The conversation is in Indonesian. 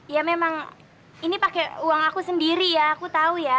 ya memang ini pakai uang aku sendiri ya aku tahu ya